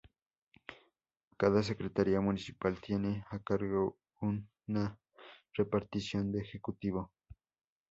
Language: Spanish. Cada Secretaría Municipal tiene a cargo una repartición del Ejecutivo.